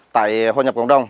tại hội nhập cộng đồng